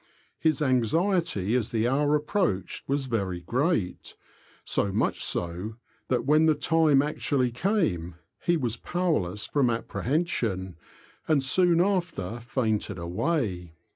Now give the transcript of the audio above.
His anxiety as the hour approached was very great, so much so, that when the time actually came he was powerless from apprehension, and soon after fainted away.